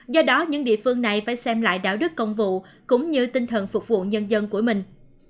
do đó những địa phương này phải xem lại đạo đức công vụ cũng như tinh thần phục vụ nhân dân của mình